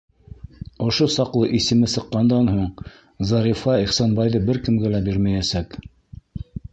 Ошо саҡлы исеме сыҡҡандан һуң Зарифа Ихсанбайҙы бер кемгә лә бирмәйәсәк!